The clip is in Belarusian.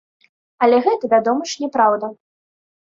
Але гэта, вядома ж, няпраўда.